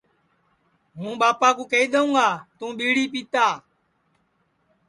ہُوں ٻاپا کُو کیہیدؔیوں گا تُوں ٻِیڑی پِیرا تِیا